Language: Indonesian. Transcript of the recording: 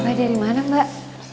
mbak dari mana mbak